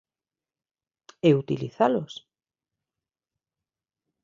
E utilizalos.